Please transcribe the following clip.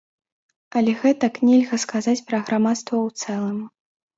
Але гэтак нельга сказаць пра грамадства ў цэлым.